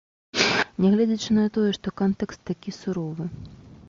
Нягледзячы на тое, што кантэкст такі суровы.